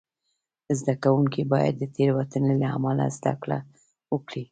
زده کوونکي باید د تېروتنې له امله زده کړه وکړي.